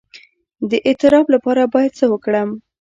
د اضطراب لپاره باید څه وکړم؟